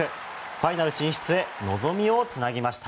ファイナル進出へ望みをつなぎました。